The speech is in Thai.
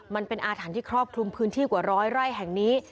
มันเป็นอาถรรพ์ที่ครอบคลุมพื้นที่กว่าร้อยไร่แห่งนี้